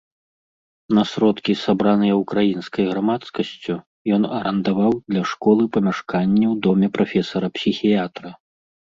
На сродкі, сабраныя ўкраінскай грамадскасцю, ён арандаваў для школы памяшканне ў доме прафесара-псіхіятра.